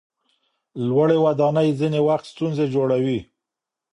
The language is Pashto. لوړې ودانۍ ځینې وخت ستونزې جوړوي.